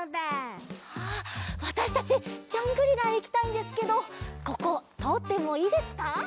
わたしたちジャングリラへいきたいんですけどこことおってもいいですか？